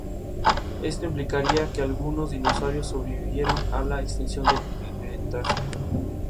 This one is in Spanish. Fue producida por Pol-ka.